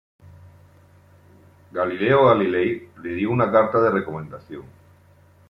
Galileo Galilei le dio una carta de recomendación.